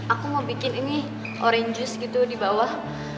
aku mau bikin ini orange juice gitu di bawah